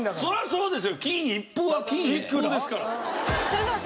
そうです。